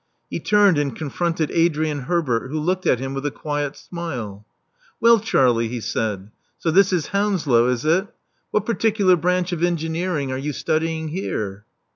He turned, and confronted Adrian Herbert, who looked at him with a quiet smile. Well, Charlie," he said: ''so this is Hounslow, is it? What particular branch of engineering are you studying here?"